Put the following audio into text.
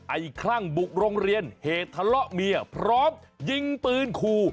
คลั่งบุกโรงเรียนเหตุทะเลาะเมียพร้อมยิงปืนขู่